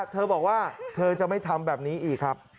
เธอบอกว่าเธอจะไม่ทำแบบนี้อีกครับ